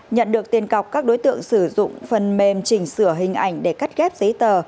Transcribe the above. nhận được tiền cọc các đối tượng sử dụng phần mềm chỉnh sửa hình ảnh để cắt ghép giấy tờ